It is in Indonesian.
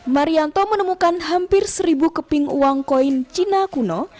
marianto menemukan hampir seribu keping uang koin cina kuno